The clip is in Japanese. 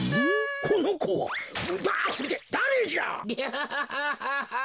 ハハハハハ！